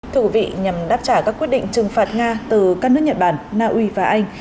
thú vị nhằm đáp trả các quyết định trừng phạt nga từ các nước nhật bản naui và anh